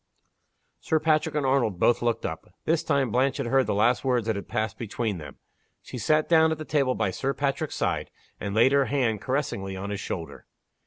Sir Patrick and Arnold both looked up. This time Blanche had heard the last words that had passed between them. She sat down at the table by Sir Patrick's side, and laid her hand caressingly on his shoulder.